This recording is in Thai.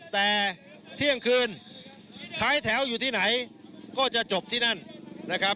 แต่เที่ยงคืนท้ายแถวอยู่ที่ไหนก็จะจบที่นั่นนะครับ